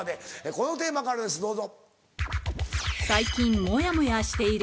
このテーマからですどうぞ。